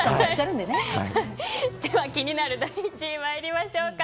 では気になる第１位に参りましょうか。